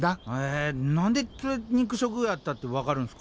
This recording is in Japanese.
え何で肉食やったって分かるんすか？